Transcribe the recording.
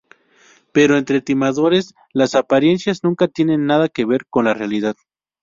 Pero entre timadores, las apariencias nunca tienen nada que ver con la realidad.